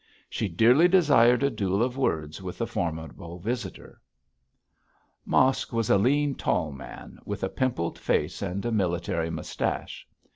She dearly desired a duel of words with the formidable visitor. Mosk was a lean, tall man with a pimpled face and a military moustache.